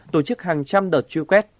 tổ chức hàng trăm đợt truy quét